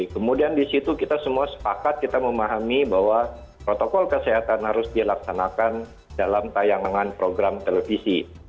kemudian di situ kita semua sepakat kita memahami bahwa protokol kesehatan harus dilaksanakan dalam tayangan program televisi